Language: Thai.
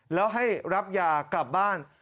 แล้วให้รับยากลับบ้าน